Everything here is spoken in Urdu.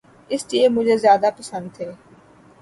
اسی لیے مجھے زیادہ پسند تھے۔